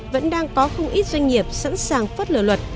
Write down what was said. vẫn đang có không ít doanh nghiệp sẵn sàng phất lừa luật